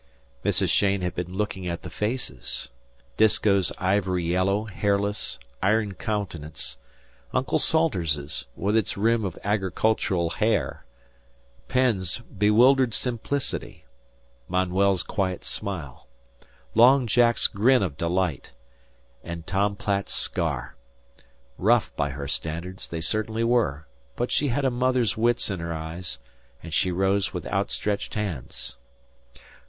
Mrs. Cheyne had been looking at the faces Disko's ivory yellow, hairless, iron countenance; Uncle Salters's, with its rim of agricultural hair; Penn's bewildered simplicity; Manuel's quiet smile; Long Jack's grin of delight, and Tom Platt's scar. Rough, by her standards, they certainly were; but she had a mother's wits in her eyes, and she rose with out stretched hands.